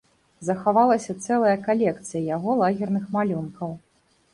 Захавалася цэлая калекцыя яго лагерных малюнкаў.